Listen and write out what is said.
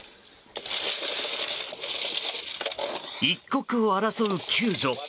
一刻を争う救助。